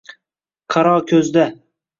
Qaro ko’zda